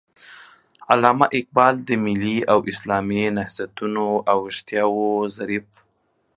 علامه اقبال د ملي او اسلامي نهضتونو او ويښتياو ظريف